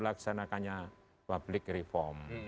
laksanakannya public reform